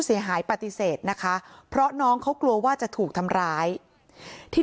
เสียหายปฏิเสธนะคะเพราะน้องเขากลัวว่าจะถูกทำร้ายที่